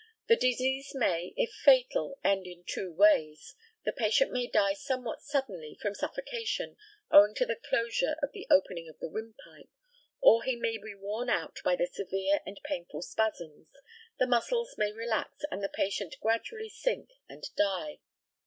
The disease may, if fatal, end in two ways. The patient may die somewhat suddenly from suffocation, owing to the closure of the opening of the windpipe; or he may be worn out by the severe and painful spasms, the muscles may relax, and the patient gradually sink and die.